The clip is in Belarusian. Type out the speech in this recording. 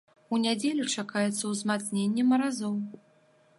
У нядзелю чакаецца ўзмацненне маразоў.